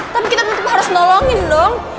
tapi kita tetap harus nolongin dong